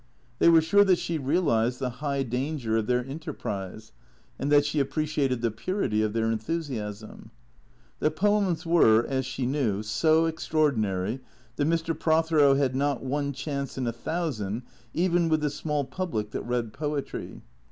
They were sure that she realized the high danger of their enter prise and that she appreciated the purity of their enthusiasm. The poems were, as she knew, so extraordinary that Mr. Prothero had not one chance in a thousand even with the small public that read poetry.